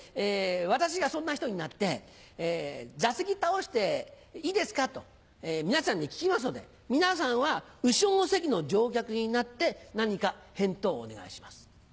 私がそんな人になって「座席倒していいですか？」と皆さんに聞きますので皆さんは後ろの席の乗客になって何か返答をお願いします。